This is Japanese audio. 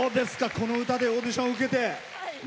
この歌でオーディション受けて。